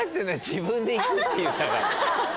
自分でいくっていったから。